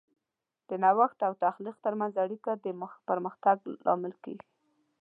د نوښت او تخلیق ترمنځ اړیکه د پرمختګ لامل کیږي.